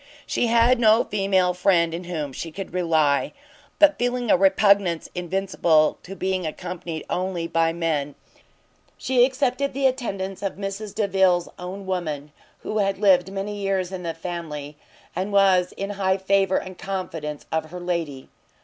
She had no female friend in whom she could rely; but feeling a repugnance invincible to being accompanied only by men, she accepted the attendance of Mrs Delvile's own woman, who had lived many years in the family, and was high in the favour and confidence of her lady.